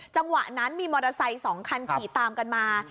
จังหวะนั้นมีมอเตอร์ไซค์๒คันขี่ตามกันมา